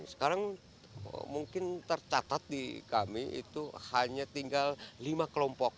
sekarang mungkin tercatat di kami itu hanya tinggal lima kelompok